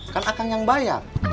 kan akan yang bayar